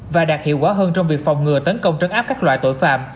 và đạt hiệu quả hơn trong việc phòng ngừa tấn công trấn áp các loại tội phạm